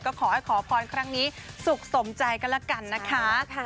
ก็ขอให้ขอพรครั้งนี้สุขสมใจก็แล้วกันนะคะ